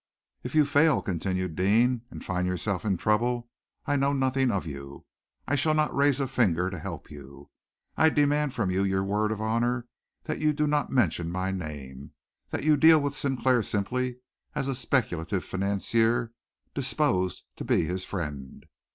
"If you fail," continued Deane, "and find yourself in trouble, I know nothing of you. I shall not raise a finger to help you. I demand from you your word of honor that you do not mention my name, that you deal with Sinclair simply as a speculative financier disposed to be his friend.